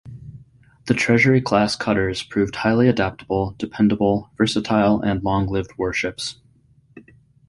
The Treasury-class cutters proved highly adaptable, dependable, versatile and long-lived warships.